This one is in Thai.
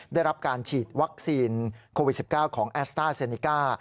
ได้รับการฉีดวัคซีนโควิด๑๙ของแอสต้าเซนิก้า